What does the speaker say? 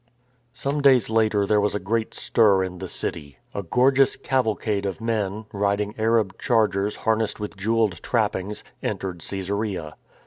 Some days later there was a great stir in the city. A gorgeous cavalcade of men, riding Arab chargers harnessed with jewelled trappings, entered Caesarea.